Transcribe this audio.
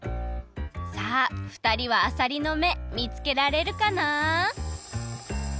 さあふたりはあさりの目見つけられるかな？